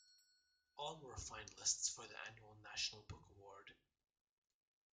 All were finalists for the annual National Book Award.